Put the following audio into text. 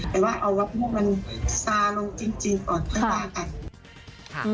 แต่ว่าเอาวัดพวกมันสารงจริงก่อนเพื่อนบ้างกัน